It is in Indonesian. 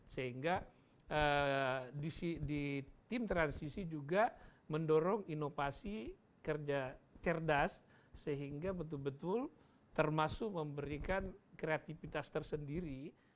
sehingga di tim transisi juga mendorong inovasi kerja cerdas sehingga betul betul termasuk memberikan kreativitas tersendiri